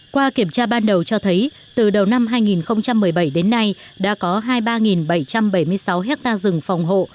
qua kiểm tra ban đầu cho thấy từ đầu năm hai nghìn một mươi bảy đến nay đã có hai mươi ba bảy trăm bảy mươi sáu hectare rừng phòng hộ